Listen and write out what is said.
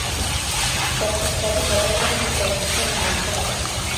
که اقتصادي وده نه وي نو پرمختيا ناممکنه ده.